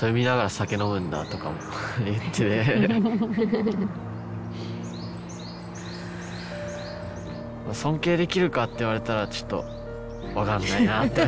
尊敬できるかって言われたらちょっと分かんないなってなっちゃうんですけど。